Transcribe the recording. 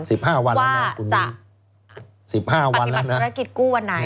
๑๕วันแล้วนะคุณวินว่าจะปฏิบัติศักดิ์ภารกิจกู้วันไหน